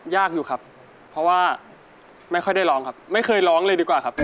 ยากอยู่ครับเพราะว่าไม่ค่อยได้ร้องครับไม่เคยร้องเลยดีกว่าครับ